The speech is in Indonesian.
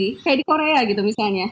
seperti kayak di korea gitu misalnya